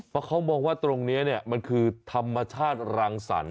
เพราะเขามองว่าตรงนี้มันคือธรรมชาติรังสรรค